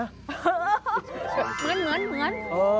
เหมือน